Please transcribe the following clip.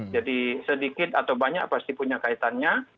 jadi sedikit atau banyak pasti punya kaitannya